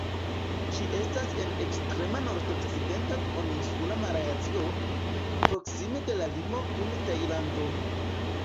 Ĝi estas en ekstrema nordokcidenta Duoninsula Malajzio, proksime de la limo kun Tajlando.